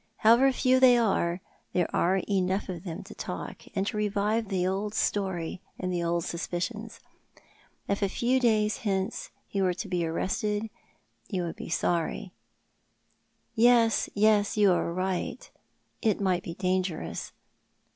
However few they are, there are enough of them to talk, and to revive the old story and the old suspicions. If a few days hence he were to be arrested, you would be sorry "" Yes, yes. You are right. It might be dangerous.